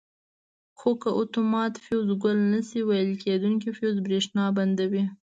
خو که اتومات فیوز ګل نه شي ویلې کېدونکي فیوز برېښنا بندوي.